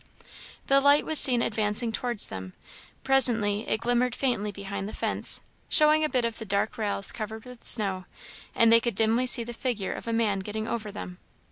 The light was seen advancing towards them. Presently it glimmered faintly behind the fence, showing a bit of the dark rails covered with snow, and they could dimly see the figure of a man getting over them.